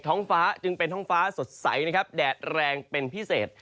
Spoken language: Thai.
ท้องฟ้าจึงเป็นท้องฟ้าสดใสนะครับแดดแรงเป็นพิเศษ